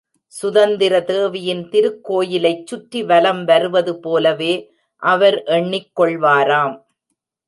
சுதந்திர தேவியின் திருக்கோயிலைச் சுற்றி வலம் வருவது போலவே அவர் எண்ணிக் கொள்வாராம்!